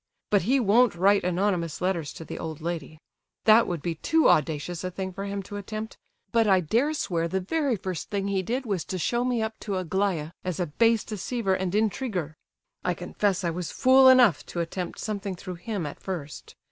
But he won't write anonymous letters to the old lady; that would be too audacious a thing for him to attempt; but I dare swear the very first thing he did was to show me up to Aglaya as a base deceiver and intriguer. I confess I was fool enough to attempt something through him at first.